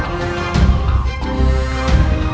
kita pergi dari sini